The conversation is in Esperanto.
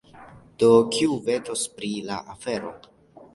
Do, kiu vetos pri la afero?